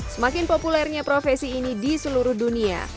semakin populernya profesi ini di seluruh dunia